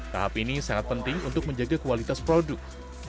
tahap ini sangat penting untuk menjaga kualitas produk